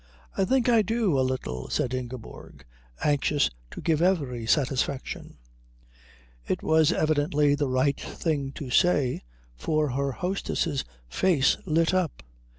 "I think I do a little," said Ingeborg, anxious to give every satisfaction. It was evidently the right thing to say, for her hostess's face lit up.